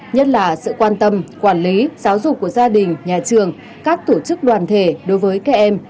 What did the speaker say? nhất là sự quan tâm quản lý giáo dục của gia đình nhà trường các tổ chức đoàn thể đối với các em